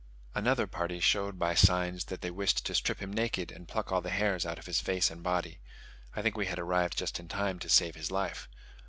Another party showed by signs that they wished to strip him naked and pluck all the hairs out of his face and body. I think we arrived just in time to save his life.